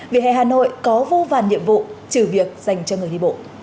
về hè hà nội có vô vàn nhiệm vụ trừ việc dành cho người đi bộ